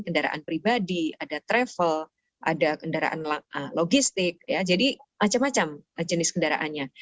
kendaraan pribadi ada travel ada kendaraan logistik jadi macam macam jenis kendaraannya